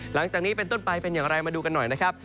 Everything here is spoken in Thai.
หลังจากนี้เป็นต้นไปเป็นอย่างไรมาดูกันหน่อยนะครับ